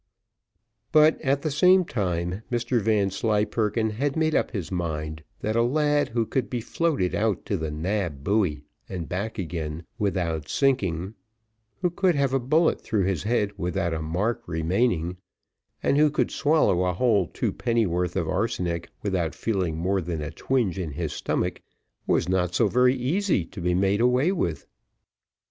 But, at the same time, Mr Vanslyperken had made up his mind that a lad who could be floated out to the Nab buoy and back again without sinking who could have a bullet through his head without a mark remaining and who could swallow a whole twopenny worth of arsenic without feeling more than a twinge in his stomach, was not so very easy to be made away with.